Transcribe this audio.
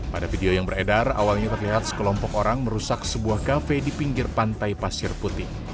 pada video yang beredar awalnya terlihat sekelompok orang merusak sebuah kafe di pinggir pantai pasir putih